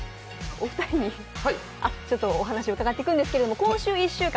お二人にお話を伺っていくんですけれども、今週１週間